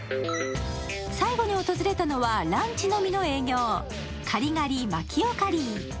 最後に訪れたのはランチのみの営業、カリガリマキオカリー。